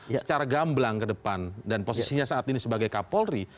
secara gamblang ke depan dan posisinya saat ini sebagai kak paul ri